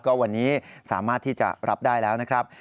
ก็วันนี้สามารถที่จะรับได้แล้วนะครับ